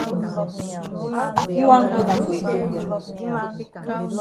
Yi wan go na for Ethiopia.